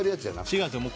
違うんですよ。